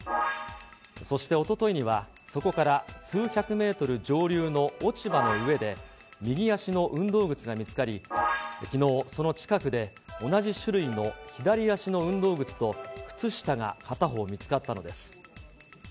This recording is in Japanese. そしておとといには、そこから数百メートル上流の落ち葉の上で、右足の運動靴が見つかり、きのう、その近くで同じ種類の左足の運動靴と靴下が片方見つかったのです。